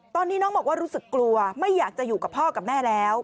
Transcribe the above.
ตอนนี้น้องบอกว่ารู้สึกกลัวไม่อยากจะอยู่กับพ่อกับแม่แล้ว